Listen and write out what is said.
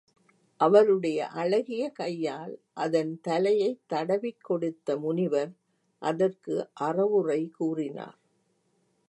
அவருடைய அழகிய கையால் அதன் தலையைத் தடவிக் கொடுத்த முனிவர் அதற்கு அறவுரை கூறினார்.